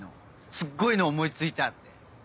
すっごいの思い付いた！って。